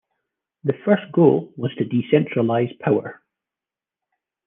The first goal was to decentralise power.